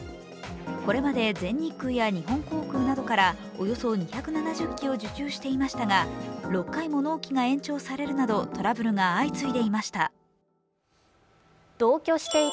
これまで全日空や日本航空などからおよそ２７０機を受注していましたが６回も納期が延長されるなどトラブルが相次いでいました。